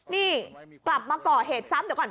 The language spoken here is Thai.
นี่กลับมาก่อเหตุซ้ำเดี๋ยวก่อน